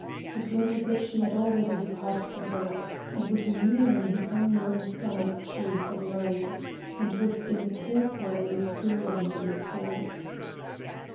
It was as if she had already departed from earth and was nearing the unknown sun of truth and life, and was incorporeally soaring in its light.